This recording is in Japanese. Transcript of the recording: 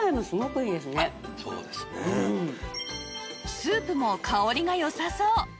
スープも香りが良さそう